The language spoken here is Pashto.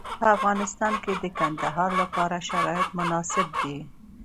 په افغانستان کې د کندهار لپاره شرایط مناسب دي.